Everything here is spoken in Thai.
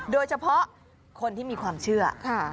โดยเฉพาะคนที่มีความเชื่อ